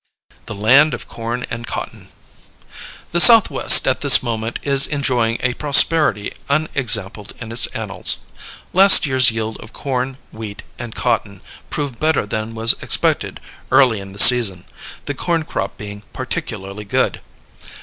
The Land of Corn and Cotton. The Southwest at this moment is enjoying a prosperity unexampled in its annals. Last year's yield of corn, wheat, and cotton proved better than was expected early in the season, the corn crop being particularly good.